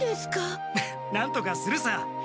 なんとかするさ！